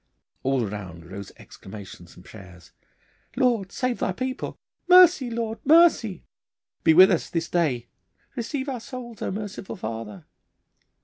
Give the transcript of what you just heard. All round rose exclamations and prayers. 'Lord, save Thy people!' 'Mercy, Lord, mercy!' 'Be with us this day!' 'Receive our souls, O merciful Father!